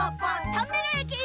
トンネルえき！